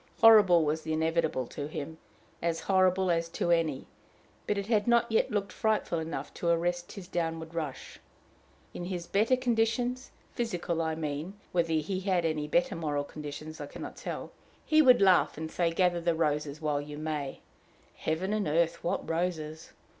Horrible was the inevitable to him, as horrible as to any; but it had not yet looked frightful enough to arrest his downward rush. In his better conditions physical, I mean whether he had any better moral conditions, I can not tell he would laugh and say, "Gather the roses while you may" heaven and earth! what roses!